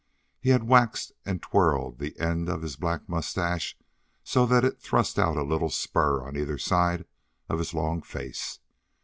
He had waxed and twirled the end of his black mustache so that it thrust out a little spur on either side of his long face.